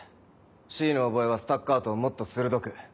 Ｃのオーボエはスタッカートをもっと鋭く。